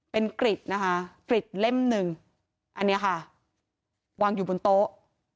เป็นกริดนะคะกริดเล่มหนึ่งอันนี้ค่ะวางอยู่บนโต๊ะ